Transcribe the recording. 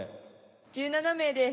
１７名です。